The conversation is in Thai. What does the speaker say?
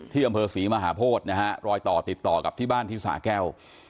อำเภอศรีมหาโพธินะฮะรอยต่อติดต่อกับที่บ้านที่สาแก้ว